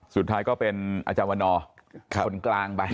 สุดท้ายก็เป็นอาจวนอร์คนกลางไป